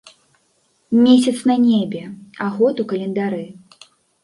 Месяц на небе, а год у календары.